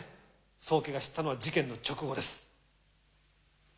宗家が知ったのは事件の直後です。